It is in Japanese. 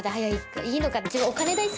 いいのかな？